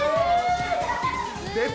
出た。